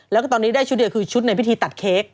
แล้วก็ตอนนี้ได้ชุดเดียวคือชุดในพิธีตัดเค้ก